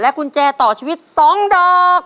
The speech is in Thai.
กุญแจต่อชีวิต๒ดอก